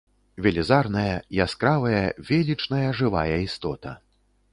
Велізарная, яскравая, велічная жывая істота.